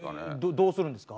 どうするんですか？